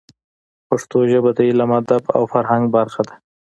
پښتو ژبه د علم، ادب او فرهنګ برخه ده.